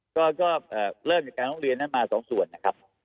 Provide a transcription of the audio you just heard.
ก็เริ่มในการร้องเรียนนั้นมาสองส่วนนะครับ